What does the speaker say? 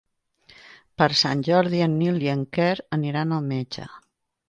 Per Sant Jordi en Nil i en Quer aniran al metge.